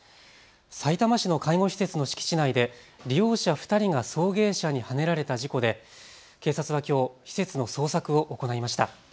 さいたま市の介護施設の敷地内で利用者２人が送迎車にはねられた事故で警察はきょう施設の捜索を行いました。